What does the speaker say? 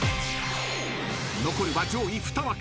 ［残るは上位２枠］